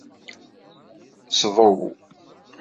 Sḍew.